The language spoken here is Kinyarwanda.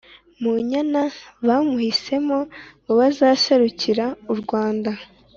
munyana bamuhisemo mubazaserukira u Rwanda